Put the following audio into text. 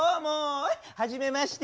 はじめまして。